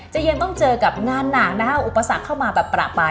เย็นต้องเจอกับงานหนักนะคะอุปสรรคเข้ามาแบบประปาย